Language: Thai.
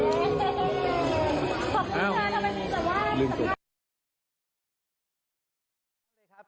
ขอบคุณค่ะทำไมคุณจะว่า